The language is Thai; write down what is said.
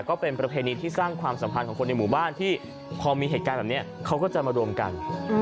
คนในหมู่บ้านที่พอมีเหตุการณ์แบบนี้เขาก็จะมารวมกัน